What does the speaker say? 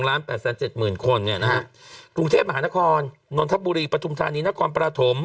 ๒ล้าน๘๗๐๐๐๐คนเนี่ยนะฮะ